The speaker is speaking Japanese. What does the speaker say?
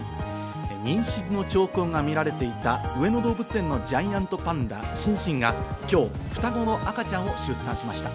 妊娠の兆候が見られていた上野動物園のジャイアントパンダ、シンシンが今日、双子の赤ちゃんを出産しました。